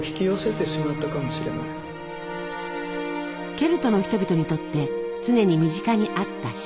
ケルトの人々にとって常に身近にあった死。